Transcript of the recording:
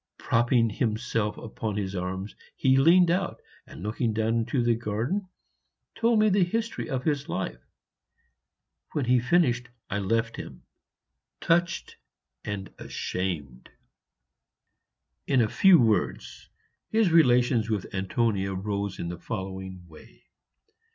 Propping himself upon his arms, he leaned out, and, looking down into the garden, told me the history of his life. When he finished I left him, touched and ashamed. In a few words, his relations with Antonia rose in the following way.